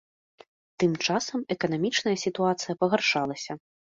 Тым часам эканамічная сітуацыя пагаршалася.